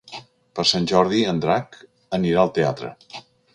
Per Sant Jordi en Drac anirà al teatre.